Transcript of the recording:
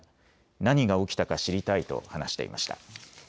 何が起きたか知りたいと話していました。